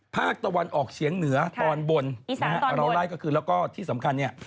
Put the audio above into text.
ภาคตะวันออกเฉียงเหนือตอนบนนะฮะเราไล่ก็คือแล้วก็ที่สำคัญเนี่ย